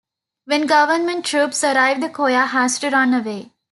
When government troops arrive the choir has to run away.